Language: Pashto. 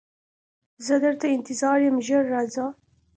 زه درته انتظار یم ژر راځه